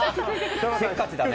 せっかちだね。